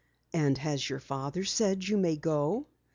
"And has your father said you may go?"